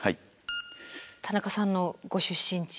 田中さんのご出身地。